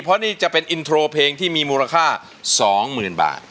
เพราะนี่จะเป็นอินโทรเพลงที่มีมูลค่า๒๐๐๐บาท